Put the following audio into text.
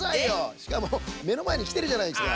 しかもめのまえにきてるじゃないですか。